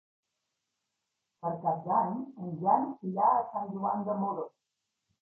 Per Cap d'Any en Jan irà a Sant Joan de Moró.